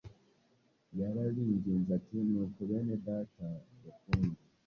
yarabinginze ati: “nuko bene data bakundwa,